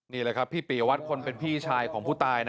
นี่แหละครับพี่ปียวัตรคนเป็นพี่ชายของผู้ตาย